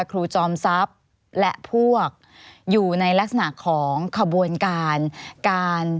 ครูจอมทรัพย์และพวกอยู่ในลักษณะของขบวนการการ